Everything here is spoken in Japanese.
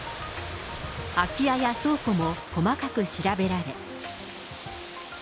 空き家や倉庫も細かく調べられ。